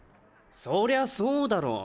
そりゃそうだろ。